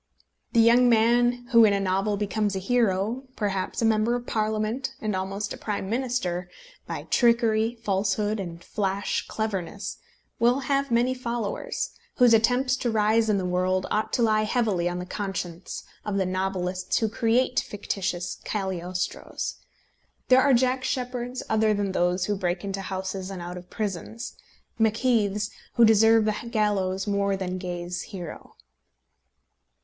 The young man who in a novel becomes a hero, perhaps a Member of Parliament, and almost a Prime Minister, by trickery, falsehood, and flash cleverness, will have many followers, whose attempts to rise in the world ought to lie heavily on the conscience of the novelists who create fictitious Cagliostros. There are Jack Sheppards other than those who break into houses and out of prisons, Macheaths, who deserve the gallows more than Gay's hero.